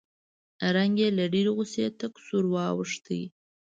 رنګ یې له ډېرې غوسې تک تور واوښت